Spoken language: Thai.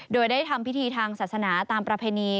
โดยได้ทำพิธีทางศาสนาตามประเพณี